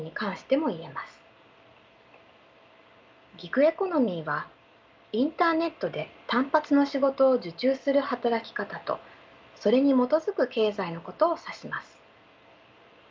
ギグエコノミーはインターネットで単発の仕事を受注する働き方とそれに基づく経済のことを指します。